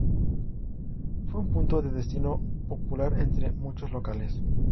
Fue un punto de destino popular entre muchos locales.